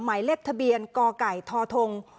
หมายเล็บทะเบียนกไก่ธ๖๔๙๙